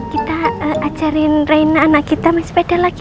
kita ajarin raina anak kita main sepeda lagi